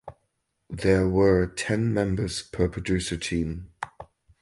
There were ten members per producer team.